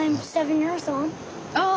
ああ。